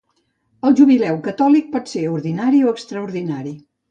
El jubileu catòlic pot ser ordinari o extraordinari.